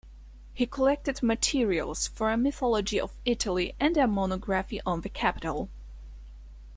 He collected materials for a mythology of Italy and a monography on the Capitol.